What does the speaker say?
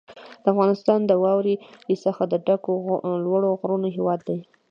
افغانستان د واورو څخه د ډکو لوړو غرونو هېواد دی.